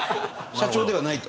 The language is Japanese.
社長ではないと？